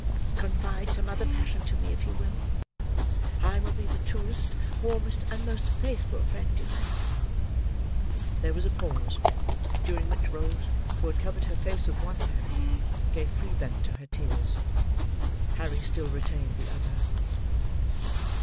Confide some other passion to me, if you will; I will be the truest, warmest, and most faithful friend you have." There was a pause, during which, Rose, who had covered her face with one hand, gave free vent to her tears. Harry still retained the other.